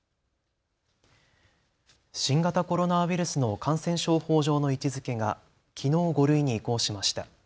新型コロナウイルスの感染症法上の位置づけがきのう５類に移行しました。